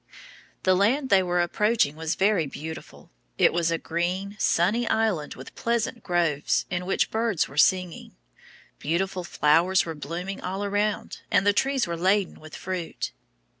The land they were approaching was very beautiful. It was a green, sunny island with pleasant groves in which birds were singing. Beautiful flowers were blooming all around and the trees were laden with fruit.